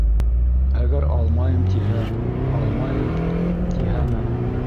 Әгәр алмайым, тиһә, алмайым, тиһәме...